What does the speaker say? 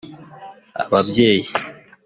Ababyeyi